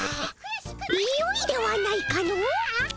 よいではないかの？